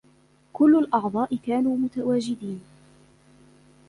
كل الأعضاء كانوا متواجدين.